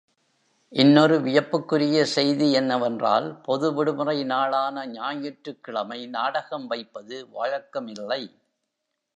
இன்னொரு வியப்புக்குரிய செய்தி என்னவென்றால் பொது விடுமுறை நாளான ஞாயிற்றுக் கிழமை நாடகம் வைப்பது வழக்கமில்லை.